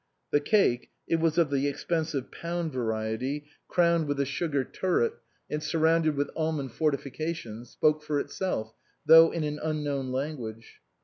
The cake (it was of the expensive pound variety, crowned with a sugar 256 SPRING FASHIONS turret and surrounded with almond fortifica tions) spoke for itself, though in an unknown language.